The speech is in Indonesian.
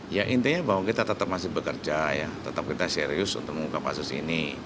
ya intinya bahwa kita tetap masih bekerja ya tetap kita serius untuk mengungkap kasus ini